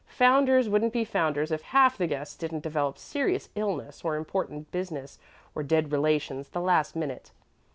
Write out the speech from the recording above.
Founder's wouldn't be Founder's if half the guests didn't develop serious illness or important business or dead relations the last minute.